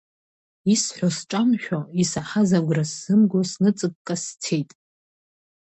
Исҳәо сҿамшәо, исаҳаз агәра сзымго, сныҵыкка сцеит!